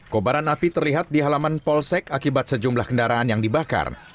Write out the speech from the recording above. kobaran api terlihat di halaman polsek akibat sejumlah kendaraan yang dibakar